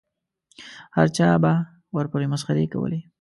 هر چا به ورپورې مسخرې کولې.